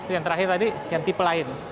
yang terakhir tadi yang tipe lain